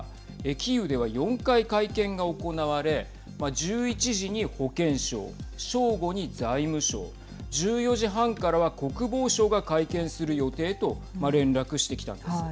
キーウでは４回会見が行われ１１時に保健省正午に財務省１４時半からは国防省が会見する予定と連絡してきたのです。